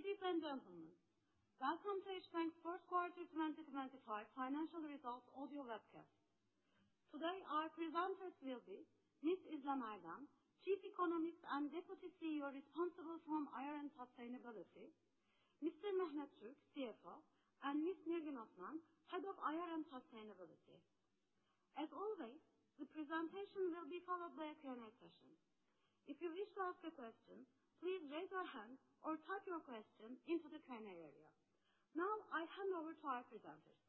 Ladies and gentlemen, welcome to İş Bank's first quarter 2025 financial results audio webcast. Today, our presenters will be Ms. İzlem Erdem, Chief Economist and Deputy CEO responsible for IR and Sustainability; Mr. Mehmet Türk, CFO; and Ms. Nilgün Osman, Head of IR and Sustainability. As always, the presentation will be followed by a Q&A session. If you wish to ask a question, please raise your hand or type your question into the Q&A area. I hand over to our presenters.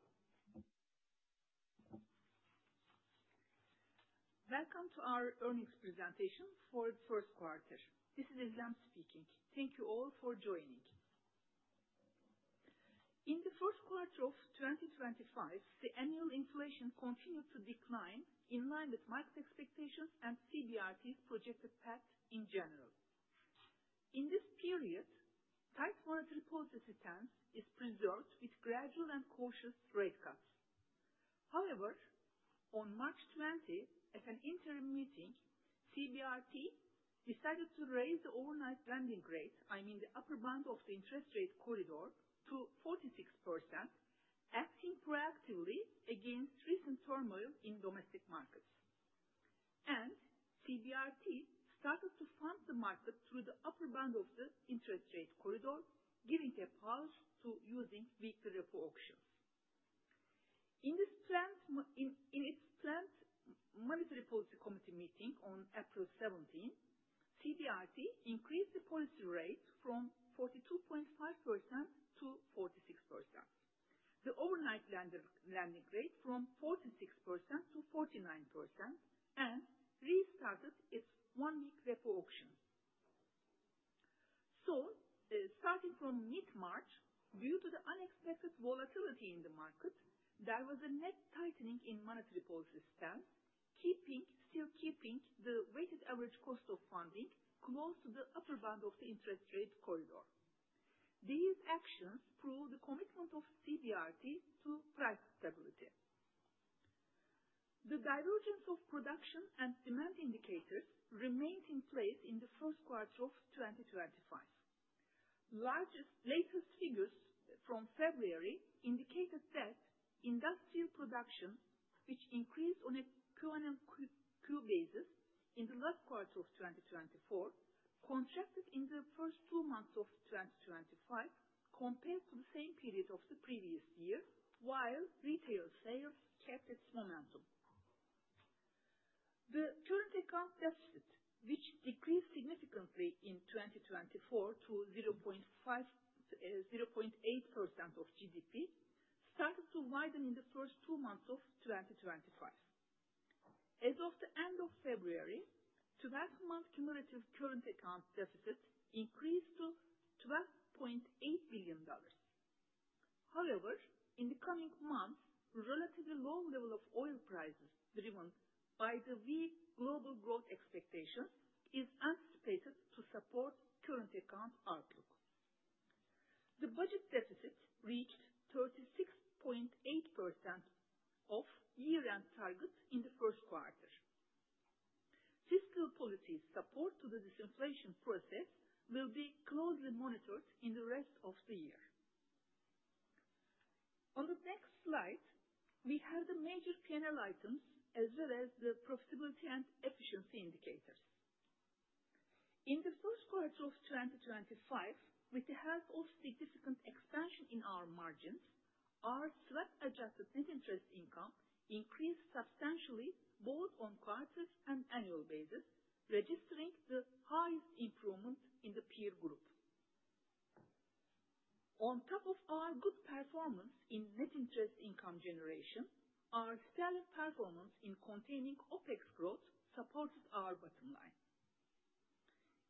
Welcome to our earnings presentation for the first quarter. This is İzlem speaking. Thank you all for joining. In the first quarter of 2025, the annual inflation continued to decline in line with market expectations and CBRT's projected path in general. In this period, tight monetary policy stance is preserved with gradual and cautious rate cuts. However, on March 20, at an interim meeting, CBRT decided to raise the overnight lending rate, I mean, the upper bound of the interest rate corridor, to 46%, acting proactively against recent turmoil in domestic markets. CBRT started to fund the market through the upper bound of the interest rate corridor, giving a pause to using weekly repo auctions. In its planned monetary policy committee meeting on April 17, CBRT increased the policy rate from 42.5% to 46%, the overnight lending rate from 46% to 49%, and restarted its one-week repo auction. Starting from mid-March, due to the unexpected volatility in the market, there was a net tightening in monetary policy stance, still keeping the weighted average cost of funding close to the upper bound of the interest rate corridor. These actions prove the commitment of CBRT to price stability. The divergence of production and demand indicators remained in place in the first quarter of 2025. Latest figures from February indicated that industrial production, which increased on a QnQ basis in the last quarter of 2024, contracted in the first two months of 2025 compared to the same period of the previous year, while retail sales kept its momentum. The current account deficit, which decreased significantly in 2024 to 0.8% of GDP, started to widen in the first two months of 2025. As of the end of February, 12-month cumulative current account deficit increased to $12.8 billion. However, in the coming months, relatively low level of oil prices driven by the weak global growth expectation is anticipated to support current account outlook. The budget deficit reached 36.8% of year-end target in the first quarter. Fiscal policy support to the disinflation process will be closely monitored in the rest of the year. On the next slide, we have the major P&L items as well as the profitability and efficiency indicators. In the first quarter of 2025, with the help of significant expansion in our margins, our tax-adjusted net interest income increased substantially both on quarters and annual basis, registering the highest improvement in the peer group. On top of our good performance in net interest income generation, our stellar performance in containing OpEx growth supported our bottom line.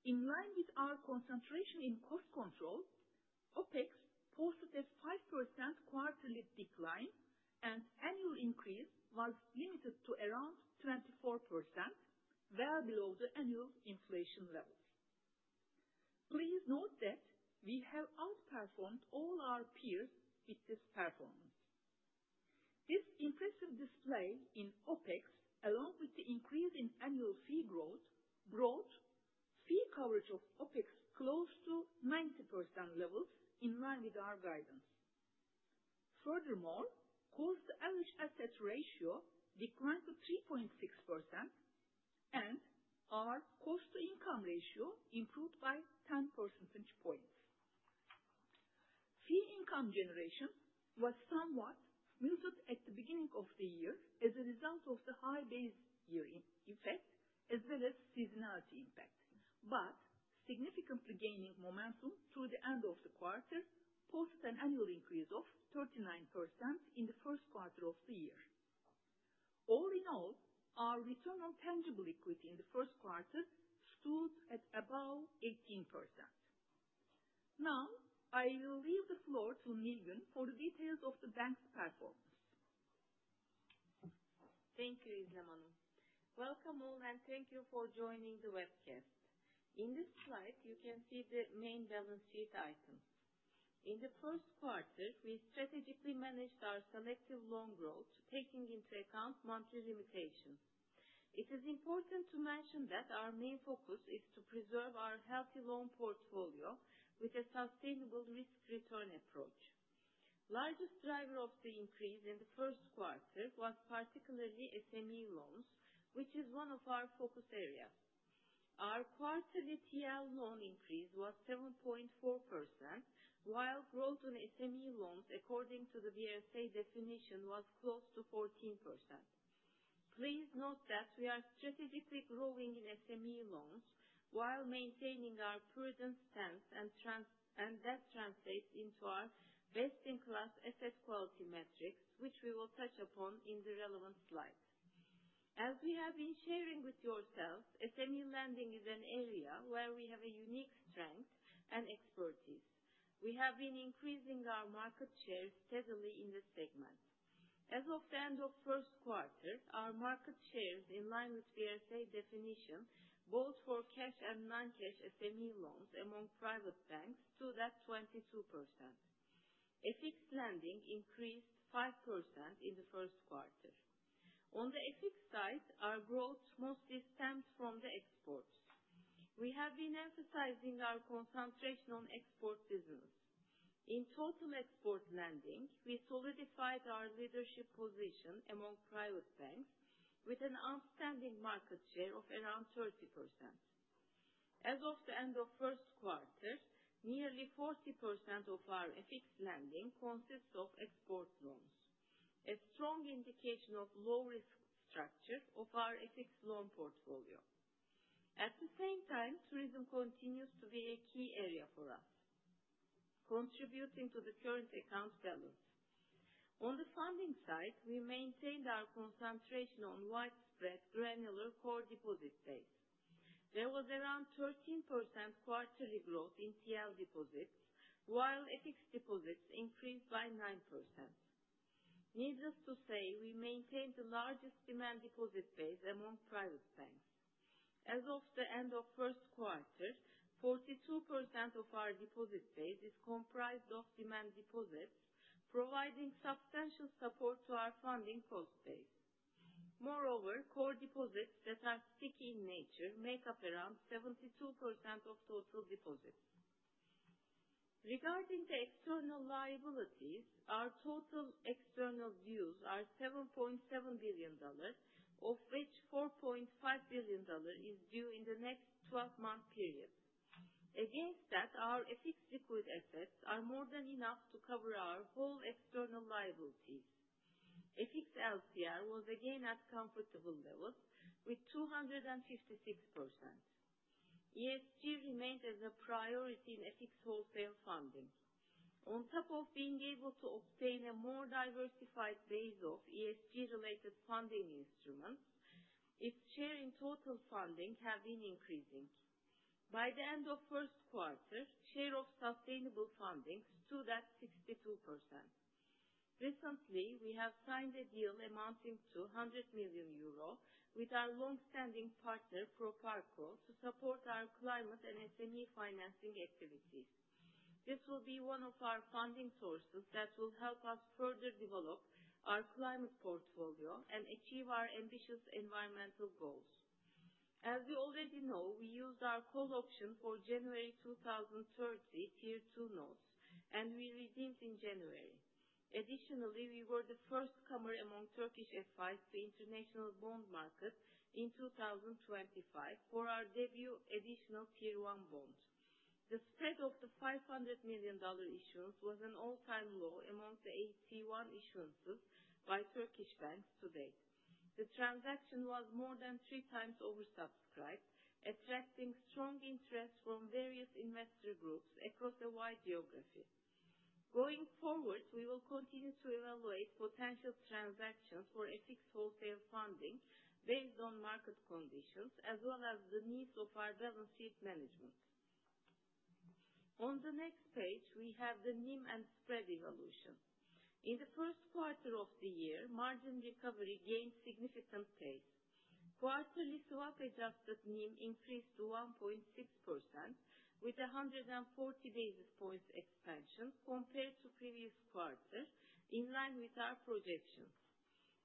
In line with our concentration in cost control, OpEx posted a 5% quarterly decline and annual increase was limited to around 24%, well below the annual inflation levels. Please note that we have outperformed all our peers with this performance. This impressive display in OpEx, along with the increase in annual fee growth, brought fee coverage of OpEx close to 90% levels in line with our guidance. Furthermore, cost-to-average assets ratio declined to 3.6%, and our cost-to-income ratio improved by 10 percentage points. Fee income generation was somewhat muted at the beginning of the year as a result of the high base year effect as well as seasonality impact. Significantly gaining momentum through the end of the quarter posted an annual increase of 39% in the first quarter of the year. All in all, our return on tangible equity in the first quarter stood at above 18%. I will leave the floor to Nilgün for the details of the bank's performance. Thank you, İzlem. Welcome all, and thank you for joining the webcast. In this slide, you can see the main balance sheet items. In the first quarter, we strategically managed our selective loan growth, taking into account monetary limitations. It is important to mention that our main focus is to preserve our healthy loan portfolio with a sustainable risk-return approach. Largest driver of the increase in the first quarter was particularly SME loans, which is one of our focus areas. Our quarterly TRY loan increase was 7.4%, while growth on SME loans, according to the BSA definition, was close to 14%. Please note that we are strategically growing in SME loans while maintaining our prudent stance, and that translates into our best-in-class asset quality metrics, which we will touch upon in the relevant slide. As we have been sharing with yourselves, SME lending is an area where we have a unique strength and expertise. We have been increasing our market share steadily in this segment. As of the end of first quarter, our market shares in line with BSA definition, both for cash and non-cash SME loans among private banks stood at 22%. FX lending increased 5% in the first quarter. On the FX side, our growth mostly stemmed from the exports. We have been emphasizing our concentration on export business. In total export lending, we solidified our leadership position among private banks with an outstanding market share of around 30%. As of the end of first quarter, nearly 40% of our FX lending consists of export loans, a strong indication of low-risk structure of our FX loan portfolio. At the same time, tourism continues to be a key area for us, contributing to the current account balance. On the funding side, we maintained our concentration on widespread granular core deposit base. There was around 13% quarterly growth in TL deposits, while FX deposits increased by 9%. Needless to say, we maintained the largest demand deposit base among private banks. As of the end of first quarter, 42% of our deposit base is comprised of demand deposits, providing substantial support to our funding cost base. Moreover, core deposits that are sticky in nature make up around 72% of total deposits. Regarding the external liabilities, our total external dues are $7.7 billion, of which $4.5 billion is due in the next 12-month period. Against that, our FX liquid assets are more than enough to cover our whole external liabilities. FX LCR was again at comfortable levels with 256%. ESG remains as a priority in FX wholesale funding. On top of being able to obtain a more diversified base of ESG-related funding instruments, its share in total funding have been increasing. By the end of first quarter, share of sustainable funding stood at 62%. Recently, we have signed a deal amounting to €100 million with our long-standing partner, Proparco, to support our climate and SME financing activities. This will be one of our funding sources that will help us further develop our climate portfolio and achieve our ambitious environmental goals. As you already know, we used our call option for January 2030 Tier 2 notes, and we redeemed in January. Additionally, we were the first comer among Turkish FIs to international bond market in 2025 for our debut additional Tier 1 bond. The spread of the $500 million issuance was an all-time low among the AT1 issuances by Turkish banks to date. The transaction was more than three times oversubscribed, attracting strong interest from various investor groups across a wide geography. Going forward, we will continue to evaluate potential transactions for FX wholesale funding based on market conditions as well as the needs of our balance sheet management. On the next page, we have the NIM and spread evolution. In the first quarter of the year, margin recovery gained significant pace. Quarterly swap-adjusted NIM increased to 1.6% with 140 basis points expansion compared to previous quarter, in line with our projections.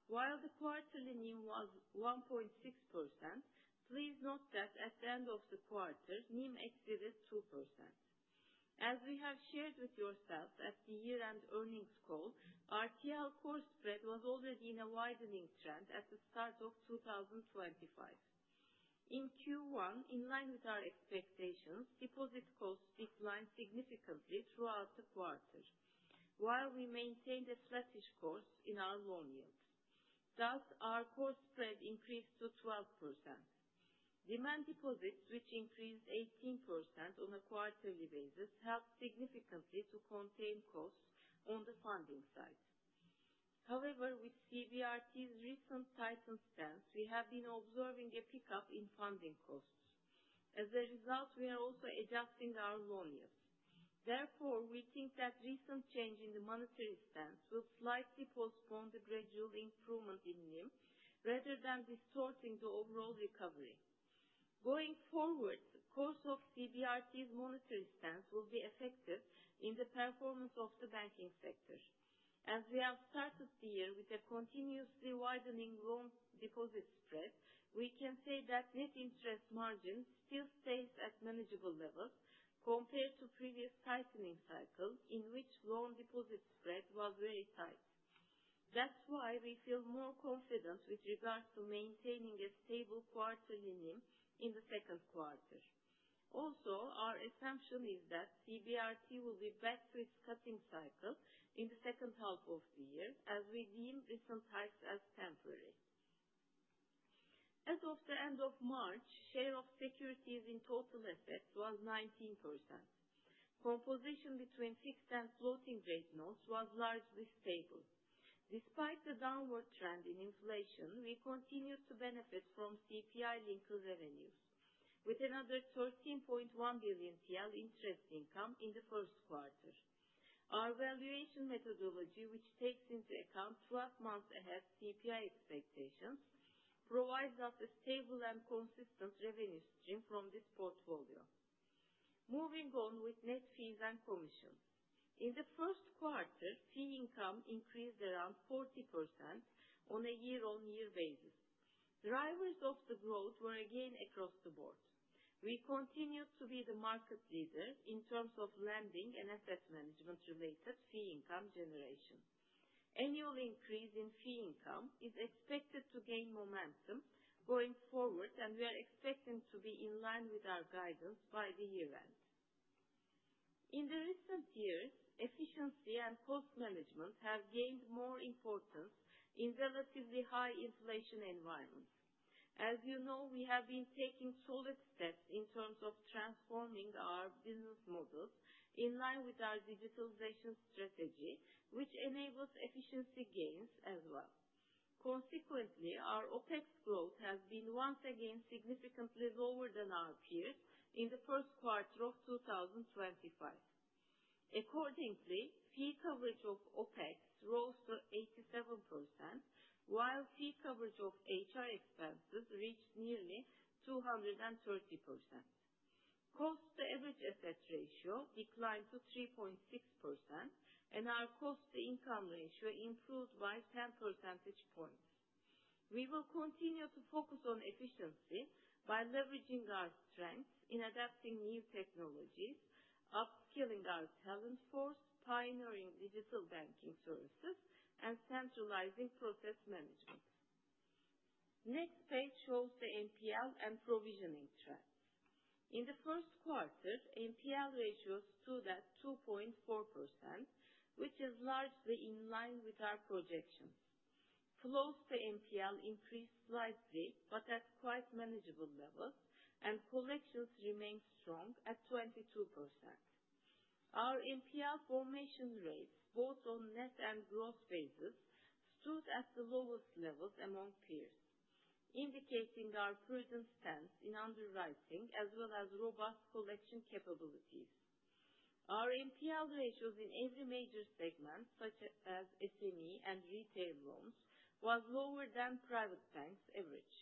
While the quarterly NIM was 1.6%, please note that at the end of the quarter, NIM exceeded 2%. As we have shared with yourself at the year-end earnings call, our TL core spread was already in a widening trend at the start of 2025. In Q1, in line with our expectations, deposit costs declined significantly throughout the quarter while we maintained a sluggish course in our loan yields. Thus, our core spread increased to 12%. Demand deposits, which increased 18% on a quarterly basis, helped significantly to contain costs on the funding side. However, with CBRT's recent tightened stance, we have been observing a pickup in funding costs. As a result, we are also adjusting our loan yields. Therefore, we think that recent change in the monetary stance will slightly postpone the gradual improvement in NIM rather than distorting the overall recovery. Going forward, the course of CBRT's monetary stance will be effective in the performance of the banking sector. As we have started the year with a continuously widening loan deposit spread, we can say that net interest margin still stays at manageable levels compared to previous tightening cycles, in which loan deposit spread was very tight. That's why we feel more confident with regards to maintaining a stable quarterly NIM in the second quarter. Also, our assumption is that CBRT will be back to its cutting cycle in the second half of the year as we deem recent hikes as temporary. As of the end of March, share of securities in total assets was 19%. Composition between fixed and floating rate notes was largely stable. Despite the downward trend in inflation, we continued to benefit from CPI-linked revenues with another 13.1 billion TL interest income in the first quarter. Our valuation methodology, which takes into account 12 months ahead CPI expectations, provides us a stable and consistent revenue stream from this portfolio. Moving on with net fees and commission. In the first quarter, fee income increased around 40% on a year-on-year basis. Drivers of the growth were again across the board. We continued to be the market leader in terms of lending and asset management-related fee income generation. Annual increase in fee income is expected to gain momentum going forward, we are expecting to be in line with our guidance by the year-end. In the recent years, efficiency and cost management have gained more importance in relatively high inflation environments. As you know, we have been taking solid steps in terms of transforming our business models in line with our digitalization strategy, which enables efficiency gains as well. Consequently, our OpEx growth has been once again significantly lower than our peers in the first quarter of 2025. Accordingly, fee coverage of OpEx rose to 87%, while fee coverage of HR expenses reached nearly 230%. Cost-to-average asset ratio declined to 3.6%, our cost-to-income ratio improved by 10 percentage points. We will continue to focus on efficiency by leveraging our strengths in adapting new technologies, upskilling our talent force, pioneering digital banking services, and centralizing process management. Next page shows the NPL and provisioning track. In the first quarter, NPL ratios stood at 2.4%, which is largely in line with our projections. Flows to NPL increased slightly, but at quite manageable levels, collections remained strong at 22%. Our NPL formation rates, both on net and gross basis, stood at the lowest levels among peers, indicating our prudent stance in underwriting as well as robust collection capabilities. Our NPL ratios in every major segment, such as SME and retail loans, was lower than private banks' average.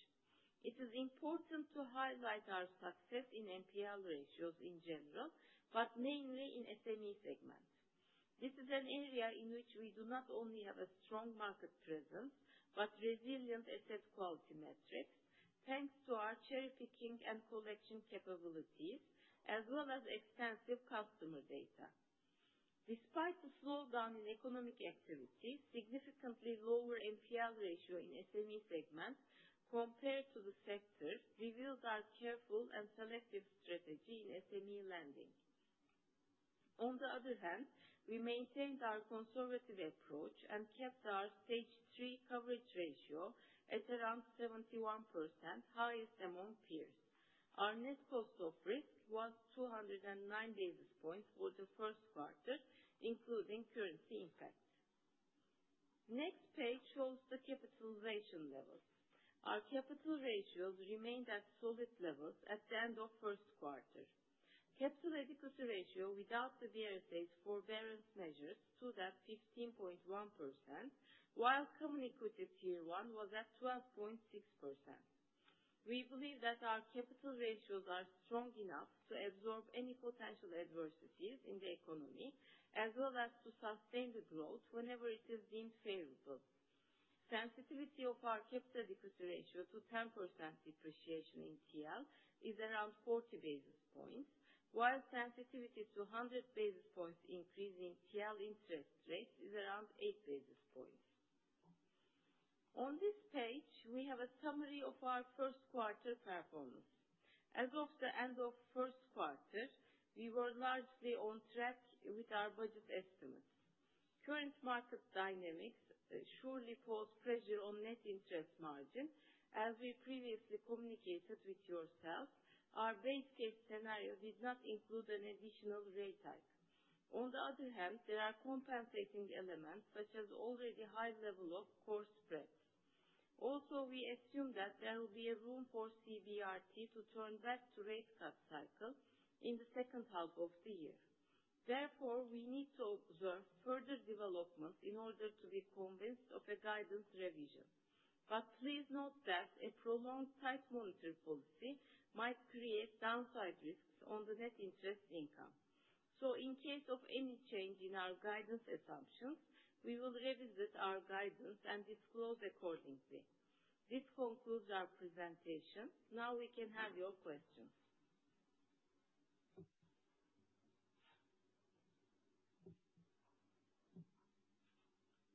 It is important to highlight our success in NPL ratios in general, but mainly in SME segment. This is an area in which we do not only have a strong market presence, but resilient asset quality metrics thanks to our cherry-picking and collection capabilities as well as extensive customer data. Despite the slowdown in economic activity, significantly lower NPL ratio in SME segments compared to the sector reveals our careful and selective strategy in SME lending. On the other hand, we maintained our conservative approach and kept our stage 3 coverage ratio at around 71%, highest among peers. Our net cost of risk was 209 basis points for the first quarter, including currency impacts. Next page shows the capitalization levels. Our capital ratios remained at solid levels at the end of first quarter. Capital adequacy ratio without the BRSA states forbearance measures stood at 15.1%, while common equity Tier 1 was at 12.6%. We believe that our capital ratios are strong enough to absorb any potential adversities in the economy as well as to sustain the growth whenever it is deemed favorable. Sensitivity of our capital adequacy ratio to 10% depreciation in TRY is around 40 basis points, while sensitivity to 100 basis points increase in TRY interest rates is around eight basis points. On this page, we have a summary of our first quarter performance. As of the end of first quarter, we were largely on track with our budget estimates. Current market dynamics surely pose pressure on net interest margin. As we previously communicated with yourself, our base case scenario did not include an additional rate hike. On the other hand, there are compensating elements such as already high level of core spreads. Also, we assume that there will be a room for CBRT to turn back to rate cut cycle in the second half of the year. Therefore, we need to observe further development in order to be convinced of a guidance revision. But please note that a prolonged tight monetary policy might create downside risks on the net interest income. So in case of any change in our guidance assumptions, we will revisit our guidance and disclose accordingly. This concludes our presentation. Now we can have your questions.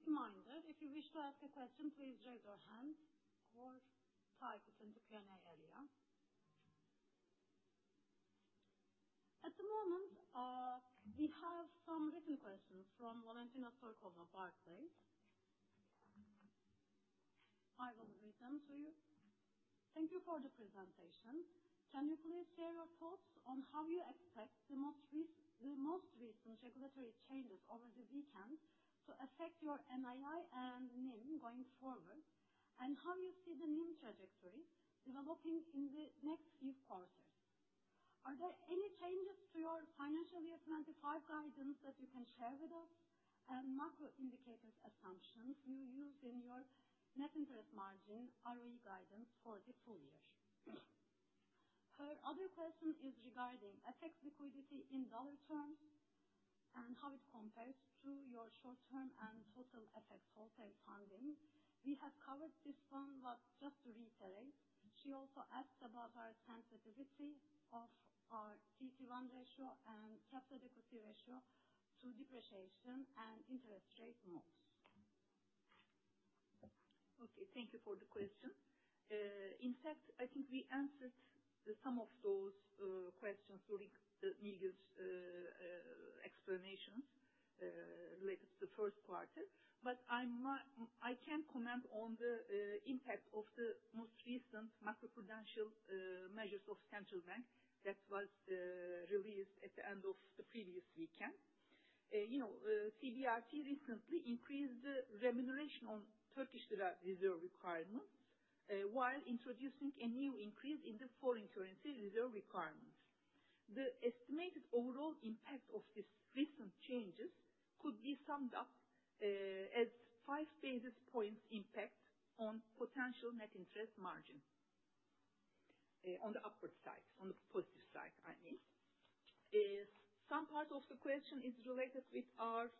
Reminder, if you wish to ask a question, please raise your hand or type it in the Q&A area. At the moment, we have some written questions from Valentina Turkova, Barclays. I will read them to you. Thank you for the presentation. Can you please share your thoughts on how you expect the most recent regulatory changes over the weekend to affect your NII and NIM going forward, and how you see the NIM trajectory developing in the next few quarters? Are there any changes to your financial year 2025 guidance that you can share with us and macro indicators assumptions you used in your net interest margin ROE guidance for the full year? Her other question is regarding FX liquidity in dollar terms and how it compares to your short-term and total FX wholesale funding. We have covered this one, but just to reiterate, she also asked about our sensitivity of our CET1 ratio and capital equity ratio to depreciation and interest rate moves. Okay, thank you for the question. In fact, I think we answered some of those questions during Nigar's explanations related to the first quarter. I can comment on the impact of the most recent macro-prudential measures of central bank that was released at the end of the previous weekend. CBRT recently increased the remuneration on Turkish lira reserve requirements, while introducing a new increase in the foreign currency reserve requirements. The estimated overall impact of these recent changes could be summed up as five basis points impact on potential net interest margin. On the upward side, on the positive side, I mean. Some part of the question is related with our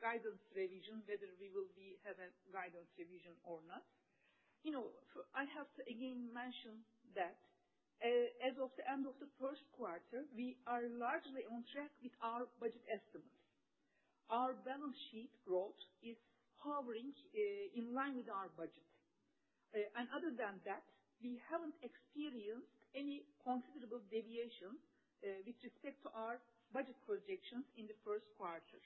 guidance revision, whether we will have a guidance revision or not. I have to again mention that as of the end of the first quarter, we are largely on track with our budget estimates. Our balance sheet growth is hovering in line with our budget. Other than that, we haven't experienced any considerable deviation with respect to our budget projections in the first quarter.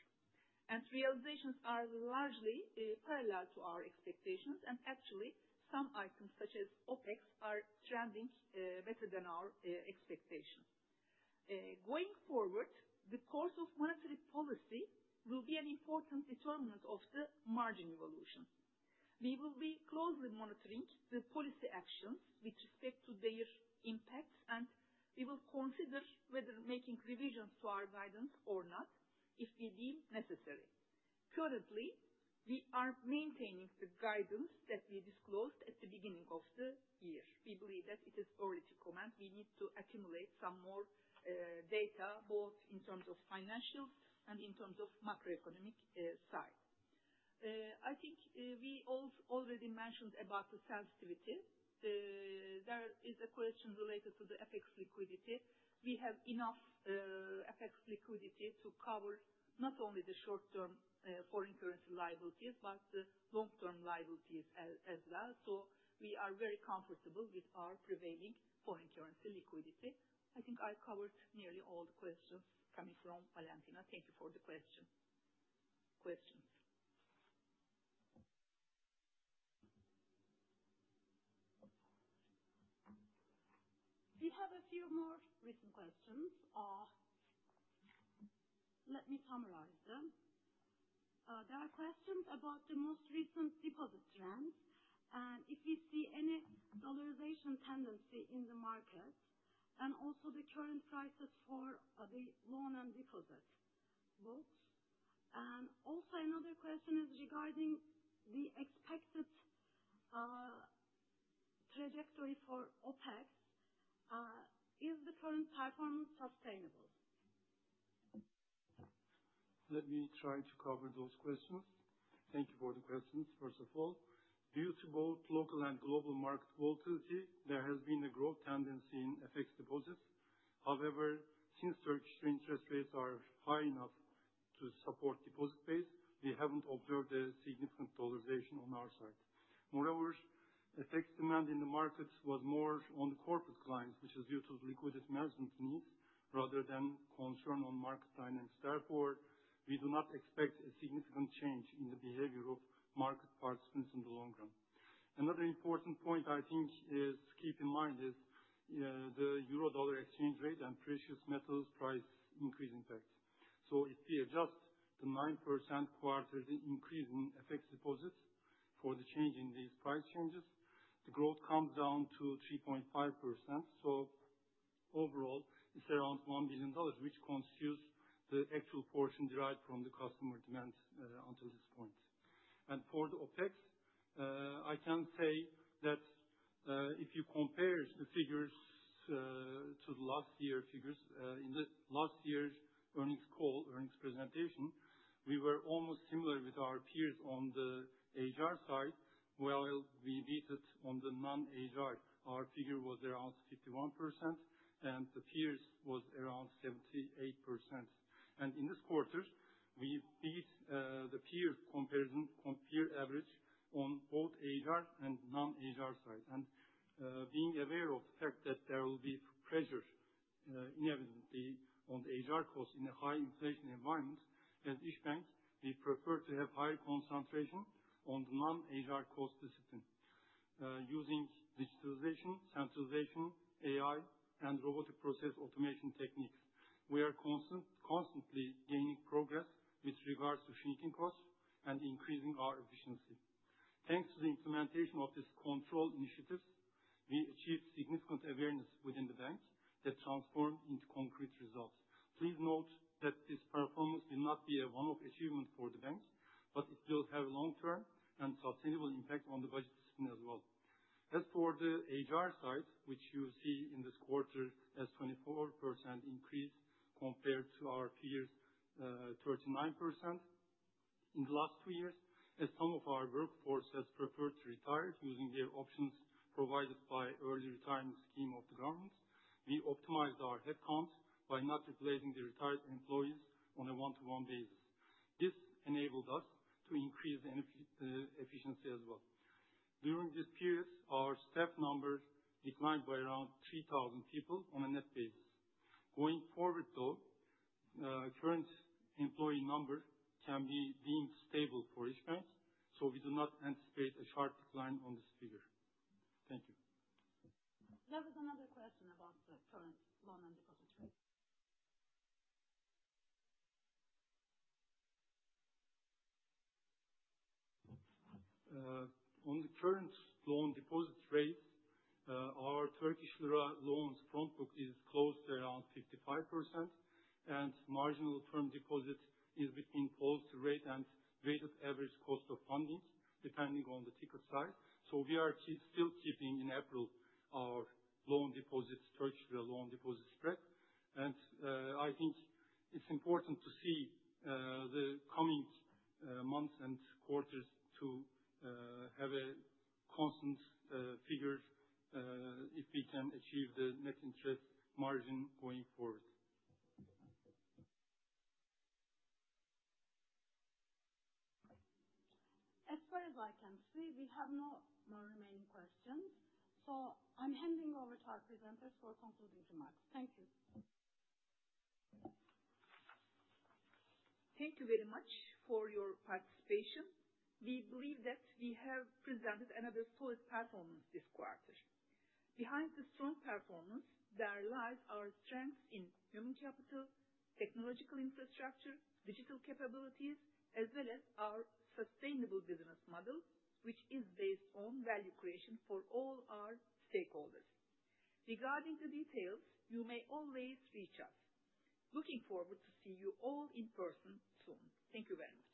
Realizations are largely parallel to our expectations and actually, some items such as OpEx are trending better than our expectations. Going forward, the course of monetary policy will be an important determinant of the margin evolution. We will be closely monitoring the policy actions with respect to their impacts, and we will consider whether making revisions to our guidance or not if we deem necessary. Currently, we are maintaining the guidance that we disclosed at the beginning of the year. We believe that it is early to comment. We need to accumulate some more data, both in terms of financial and in terms of macroeconomic side. I think we already mentioned about the sensitivity. There is a question related to the FX liquidity. We have enough FX liquidity to cover not only the short-term foreign currency liabilities but the long-term liabilities as well. We are very comfortable with our prevailing foreign currency liquidity. I think I covered nearly all the questions coming from Valentina. Thank you for the questions. We have a few more written questions. Let me summarize them. There are questions about the most recent deposit trends and if you see any dollarization tendency in the market, and also the current prices for the loan and deposit books. Also another question is regarding the expected trajectory for OpEx. Is the current performance sustainable? Let me try to cover those questions. Thank you for the questions. First of all, due to both local and global market volatility, there has been a growth tendency in FX deposits. However, since Turkish interest rates are high enough to support deposit base, we haven't observed a significant dollarization on our side. Moreover, FX demand in the market was more on the corporate clients, which is due to liquidity management needs rather than concern on market dynamics. We do not expect a significant change in the behavior of market participants in the long run. Another important point I think is keep in mind is the euro dollar exchange rate and precious metals price increase impact. If we adjust the 9% quarterly increase in FX deposits for the change in these price changes. The growth comes down to 3.5%, so overall it's around $1 billion, which constitutes the actual portion derived from the customer demand until this point. For the OpEx, I can say that if you compare the figures to the last year figures, in last year's earnings call, earnings presentation, we were almost similar with our peers on the HR side, while we beat it on the non-HR. Our figure was around 51%, and the peers was around 78%. In this quarter, we beat the peer average on both HR and non-HR side. Being aware of the fact that there will be pressure inevitably on the HR cost in a high inflation environment, as İş Bankası, we prefer to have higher concentration on the non-HR cost discipline. Using digitalization, centralization, AI, and robotic process automation techniques, we are constantly gaining progress with regards to shrinking costs and increasing our efficiency. Thanks to the implementation of this control initiatives, we achieved significant awareness within the bank that transformed into concrete results. Please note that this performance will not be a one-off achievement for the banks, but it will have long-term and sustainable impact on the budget discipline as well. As for the HR side, which you see in this quarter as 24% increase compared to our peers' 39% in the last two years. As some of our workforce has preferred to retire using their options provided by early retirement scheme of the government, we optimized our headcounts by not replacing the retired employees on a one-to-one basis. This enabled us to increase the efficiency as well. During this period, our staff numbers declined by around 3,000 people on a net basis. Going forward, though current employee number can be being stable for İş Bankası, we do not anticipate a sharp decline on this figure. Thank you. There was another question about the current loan and deposit rate. On the current loan deposit rate, our Turkish lira loans front book is close to around 55%, and marginal term deposit is between post rate and weighted average cost of funding, depending on the ticket size. We are still keeping in April our Turkish lira loan deposit spread. I think it's important to see the coming months and quarters to have a constant figure if we can achieve the net interest margin going forward. As far as I can see, we have no more remaining questions. I'm handing over to our presenters for concluding remarks. Thank you. Thank you very much for your participation. We believe that we have presented another solid performance this quarter. Behind the strong performance, there lies our strengths in human capital, technological infrastructure, digital capabilities, as well as our sustainable business model, which is based on value creation for all our stakeholders. Regarding the details, you may always reach us. Looking forward to see you all in person soon. Thank you very much.